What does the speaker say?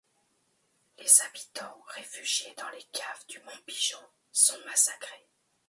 Les habitants réfugiés dans les caves du Mont-Pigeon sont massacrés.